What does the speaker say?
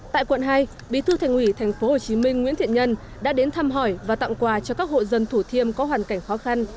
tại quận hai bí thư thành ủy tp hcm nguyễn thiện nhân đã đến thăm hỏi và tặng quà cho các hộ dân thủ thiêm có hoàn cảnh khó khăn